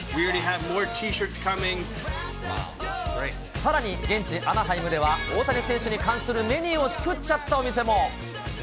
さらに、現地アナハイムでは、大谷選手に関するメニューを作っちゃったお店も。